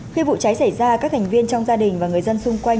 khi vụ cháy xảy ra các thành viên trong gia đình và người dân xung quanh